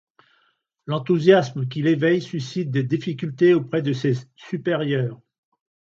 L'enthousiasme qu'il éveille suscite des difficultés auprès de ses supérieurs.